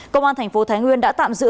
công an tp thái nguyên đã tạm giữ